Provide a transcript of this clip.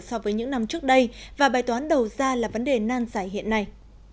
so với những năm trước đây và bài toán đầu ra là vấn đề nan giải hiện nay